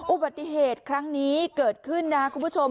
อุบัติเหตุครั้งนี้เกิดขึ้นนะคุณผู้ชม